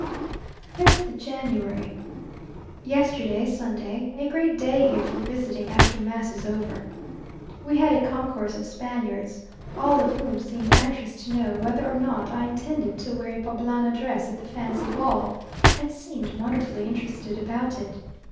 5th January. Yesterday (Sunday), a great day here for visiting after mass is over. We had a concourse of Spaniards, all of whom seemed anxious to know whether or not I intended to wear a Poblana dress at the fancy ball, and seemed wonderfully interested about it.